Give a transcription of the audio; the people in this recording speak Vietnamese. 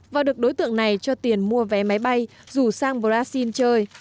và được đối tượng này cho tiền mua vé máy bay rủ sang brazil chơi